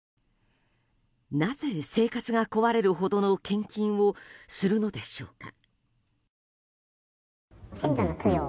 なぜ、生活が壊れるほどの献金をするのでしょうか？